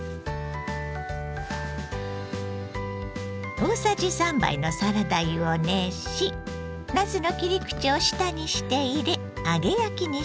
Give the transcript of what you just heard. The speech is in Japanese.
大さじ３杯のサラダ油を熱しなすの切り口を下にして入れ揚げ焼きにします。